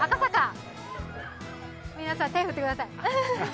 皆さん、手を振ってください。